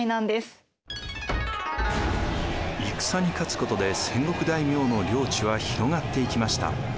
戦に勝つことで戦国大名の領地は広がっていきました。